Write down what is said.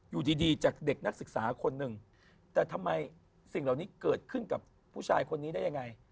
อยู่ดีจากเด็กนักศึกษาคนหนึ่งแต่ทำไมสิ่งเหล่านี้เกิดขึ้นกับผู้ชายคนนี้ได้ยังไง